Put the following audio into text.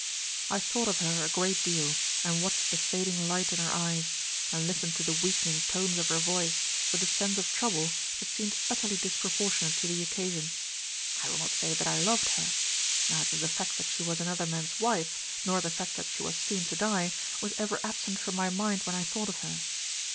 I thought of her a great deal, and watched the fading light in her eyes, and listened to the weakening tones of her voice, with a sense of trouble that seemed utterly disproportionate to the occasion. I will not say that I loved her; neither the fact that she was another man's wife, nor the fact that she was soon to die, was ever absent from my mind when I thought of her.